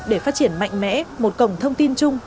để phát triển mạnh mẽ một cổng thông tin chung